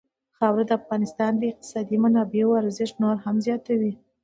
خاوره د افغانستان د اقتصادي منابعو ارزښت نور هم زیاتوي.